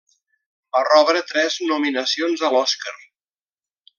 Va rebre tres nominacions a l'Oscar.